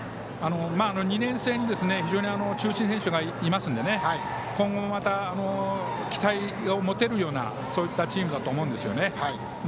２年生に中心選手がいますので今後もまた期待を持てるようなチームだと思うんですよね。